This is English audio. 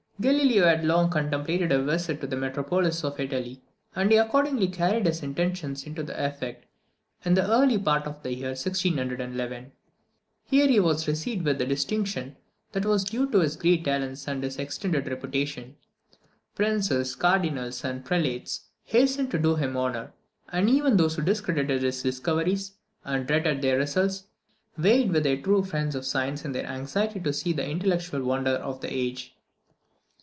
Galileo had long contemplated a visit to the metropolis of Italy, and he accordingly carried his intentions into effect in the early part of the year 1611. Here he was received with that distinction which was due to his great talents and his extended reputation. Princes, Cardinals, and Prelates hastened to do him honour; and even those who discredited his discoveries, and dreaded their results, vied with the true friends of science in their anxiety to see the intellectual wonder of the age.